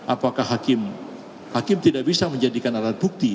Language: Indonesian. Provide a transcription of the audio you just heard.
apakah hakim tidak bisa menjadikan alat bukti